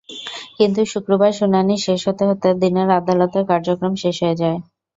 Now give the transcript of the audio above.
কিন্তু শুক্রবার শুনানি শেষ হতে হতে দিনের আদালতের কার্যক্রম শেষ হয়ে যায়।